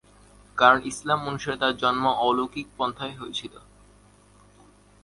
কারণ ইসলাম অনুসারে তার জন্ম অলৌকিক পন্থায় হয়েছিল।